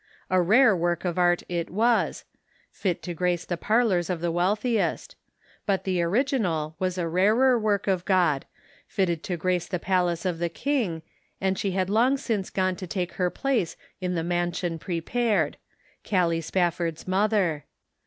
A rare work of art it was — fit to grace the parlors of the wealthiest ; but the original was a rarer work of God, fitted to grace the palace of the King, and she had long since gone to take her place in the "mansion prepared ;"— Callie Spafford's mother.